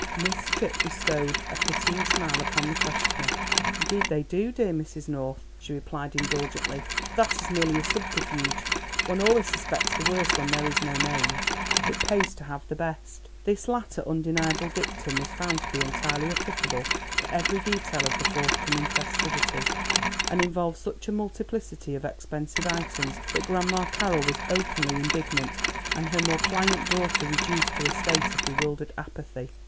Miss Tripp bestowed a pitying smile upon the questioner. "Indeed they do, dear Mrs. North," she replied indulgently; "but that is merely a subterfuge; one always suspects the worst when there is no name. It pays to have the best." This latter undeniable dictum was found to be entirely applicable to every detail of the forthcoming festivities, and involved such a multiplicity of expensive items that Grandma Carroll was openly indignant, and her more pliant daughter reduced to a state of bewildered apathy.